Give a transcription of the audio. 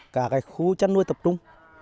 cả cái khu chăn nuôi tập trung